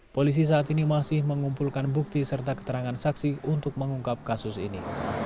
polisi saat ini masih mengumpulkan bukti serta keterangan saksi untuk mengungkap kasus ini